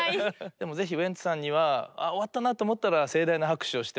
でもぜひウエンツさんには「あ終わったな」と思ったら盛大な拍手をしてもらいたい。